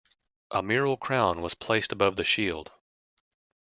A mural crown was placed above the shield.